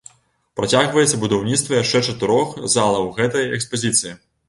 Працягваецца будаўніцтва яшчэ чатырох залаў гэтай экспазіцыі.